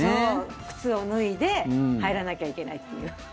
靴を脱いで入らなきゃいけないっていう。